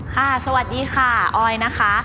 สวัสดีค่ะออยนะคะ